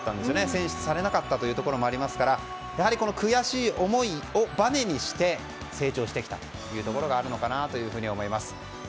選出されなかったこともありますから悔しい思いをばねにして成長してきたというところがあるのかなと思います。